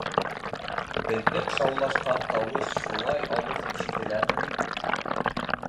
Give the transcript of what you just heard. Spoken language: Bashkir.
Беҙҙең шаулашҡан тауыш шулай алыҫ ишетеләме ни?